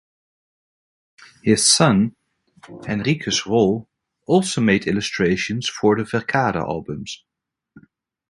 His son Henricus Rol also made illustrations for the Verkade albums.